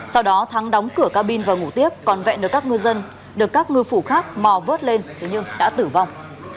sau đó thắng đóng cửa cabin và ngủ tiếp còn vẹn được các ngư dân được các ngư phủ khác mò vớt lên thế nhưng đã tử vong